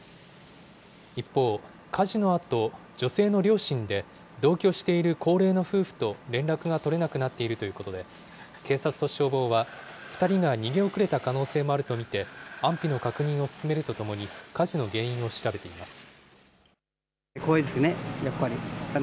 一方、家事のあと女性の両親で同居している高齢の夫婦と連絡が取れなくなっているということで、警察と消防は、２人が逃げ遅れた可能性もあると見て、安否の確認を進めるとともに、火事の原因を調べています。